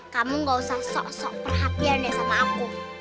kamu gak usah sok sok perhatian ya sama aku